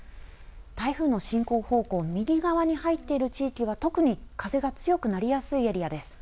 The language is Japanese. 台風の進行方向の右側に入っている地域は特に風が強くなりやすいエリアです。